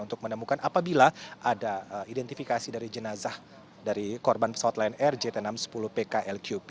untuk menemukan apabila ada identifikasi dari jenazah dari korban pesawat lion air jt enam ratus sepuluh pklqp